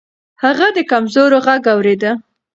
هغه د کمزورو غږ اورېده.